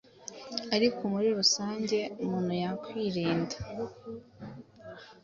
ariko muri rusange umuntu yakwirinda